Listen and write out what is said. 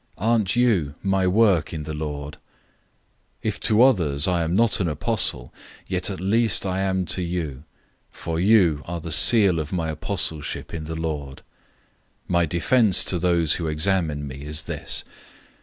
Aren't you my work in the Lord? 009:002 If to others I am not an apostle, yet at least I am to you; for you are the seal of my apostleship in the Lord. 009:003 My defense to those who examine me is this.